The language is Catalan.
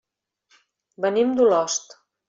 Venim d'Olost.